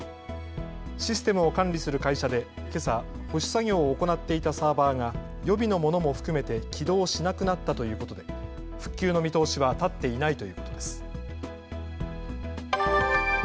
システムを管理する会社でけさ保守作業を行っていたサーバーが予備のものも含めて起動しなくなったということで復旧の見通しは立っていないということです。